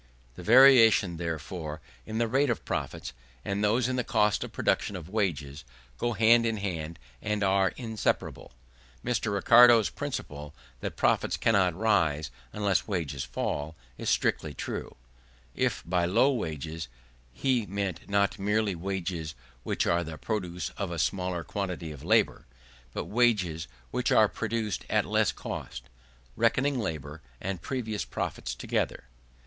The variations, therefore, in the rate of profits, and those in the cost of production of wages, go hand in hand, and are inseparable. Mr. Ricardo's principle, that profits cannot rise unless wages fall, is strictly true, if by low wages be meant not merely wages which are the produce of a smaller quantity of labour, but wages which are produced at less cost, reckoning labour and previous profits together.